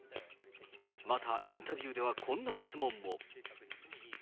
また、インタビューではこんな質問も。